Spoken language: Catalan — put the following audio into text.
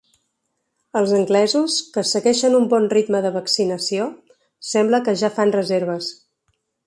Els anglesos, que segueixen un bon ritme de vaccinació, sembla que ja fan reserves.